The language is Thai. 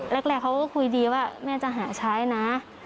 แรกเขาก็คุยดีว่าแม่จะหาใช้นะ